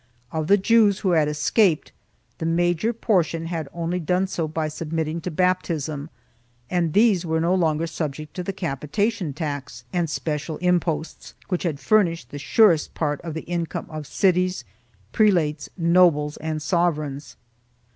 Of the Jews who had escaped, the major por tion had only done so by submitting to baptism and these were no longer subject to the capitation tax and special imposts which had furnished the surest part of the income of cities, prelates, nobles and sovereigns.